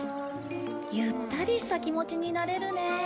ゆったりした気持ちになれるね。